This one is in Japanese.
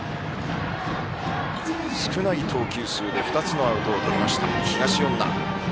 少ない投球数で２つのアウトをとりました東恩納。